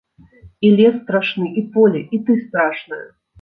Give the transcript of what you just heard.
І лес страшны, і поле, і ты страшная.